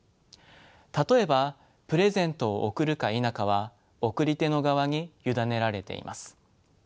例えばプレゼントを贈るか否かは送り手の側に委ねられています。